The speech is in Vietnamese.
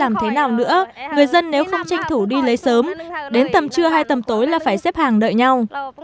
làm thế nào nữa người dân nếu không tranh thủ đi lấy sớm đến tầm trưa hay tầm tối là phải xếp hàng đợi nhau